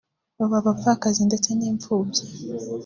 baba abapfakazi ndetse n’imfubyi